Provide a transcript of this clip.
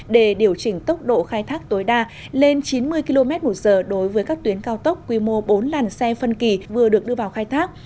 để điều chỉnh tốc độ khai thác tối đa lên chín mươi km một giờ đối với các tuyến cao tốc quy mô bốn làn xe phân kỳ vừa được đưa vào khai thác